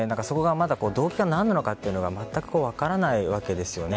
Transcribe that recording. まだ動機がなどがまったく分からないわけですよね。